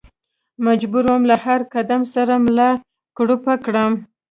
مجبور ووم له هر قدم سره ملا کړوپه کړم.